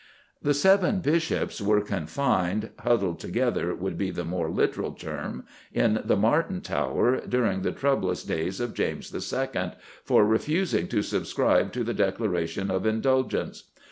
The Seven Bishops were confined huddled together would be the more literal term in the Martin Tower, during the troublous days of James II., for refusing to subscribe to the Declaration of Indulgence.